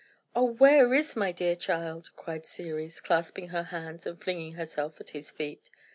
"Oh, where is my dear child?" cried Ceres, clasping her hands and flinging herself at his feet.